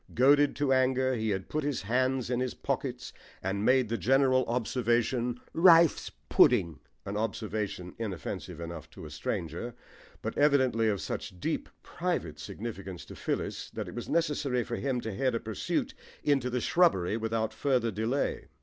Goaded to anger, he had put his hands in his pockets and made the general observation "Rice pudding" an observation inoffensive enough to a stranger, but evidently of such deep, private significance to Phyllis that it was necessary for him to head a pursuit into the shrubbery without further delay.